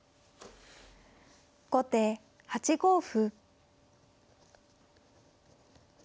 後手８五歩。